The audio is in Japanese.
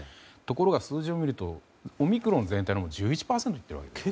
ところが、数字を見るとオミクロン全体の１１％と。